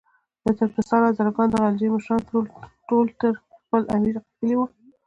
د ترکستان، هزاره ګانو او غلجیو مشران ټول تر خپل امیر غښتلي وو.